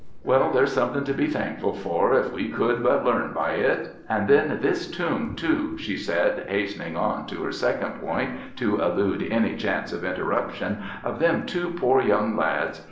Well, there's something to be thankful for, if we could but learn by it. And then this tomb, too,' she said, hastening on to her second point to elude any chance of interruption, 'of them two poor young lads.